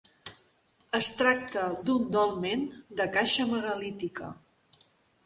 Es tracta d'un dolmen de caixa megalítica.